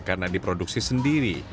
karena diproduksi sendiri